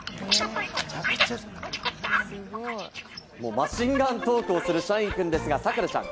マシンガントークをするシャインくんですが、さくらちゃん